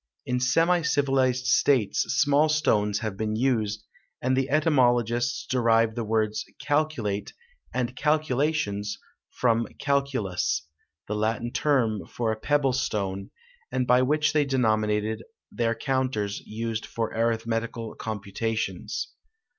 In semi civilized states small stones have been used, and the etymologists derive the words calculate and calculations from calculus, the Latin term for a pebble stone, and by which they denominated their counters used for arithmetical computations.